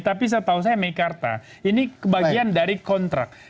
tapi setahu saya mekarta ini bagian dari kontrak